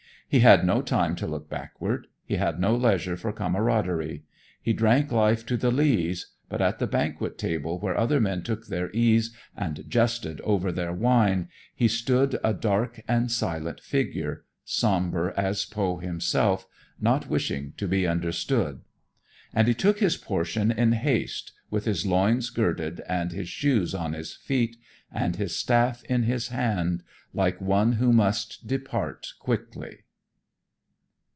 He had no time to look backward. He had no leisure for camaraderie. He drank life to the lees, but at the banquet table where other men took their ease and jested over their wine, he stood a dark and silent figure, sombre as Poe himself, not wishing to be understood; and he took his portion in haste, with his loins girded, and his shoes on his feet, and his staff in his hand, like one who must depart quickly.